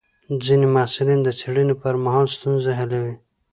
ځینې محصلین د څېړنې پر مهال ستونزې حلوي.